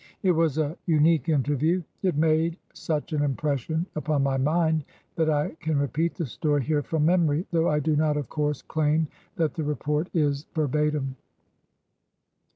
It was a luiique interview. It made such an impres sion upon my mind that I can repeat the story here from memory, though I do not, of course, claim that the report is verbatim.